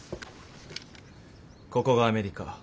ここがアメリカ。